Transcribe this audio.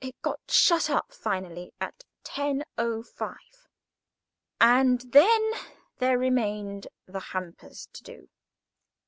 It got shut up finally at 10.05 p.m., and then there remained the hampers to do.